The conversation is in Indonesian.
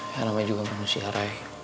ya namanya juga manusia ray